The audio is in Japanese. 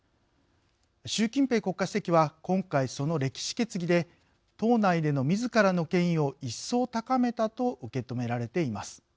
習近平国家主席は今回その歴史決議で党内でのみずからの権威をいっそう高めたと受け止められています。